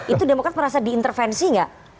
itu demokrat merasa diintervensi nggak